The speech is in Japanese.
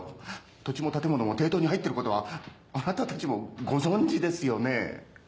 土地も建物も抵当に入ってることはあなたたちもご存じですよね？